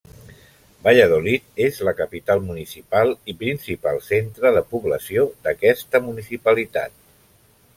Valladolid és la capital municipal i principal centre de població d'aquesta municipalitat.